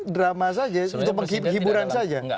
drama saja untuk penghiburan saja